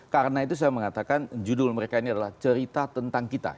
karena itu saya mengatakan judul mereka ini adalah cerita tentang kita